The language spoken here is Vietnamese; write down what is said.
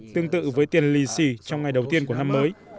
tương tự với tiền lì xì trong ngày đầu tiên của năm mới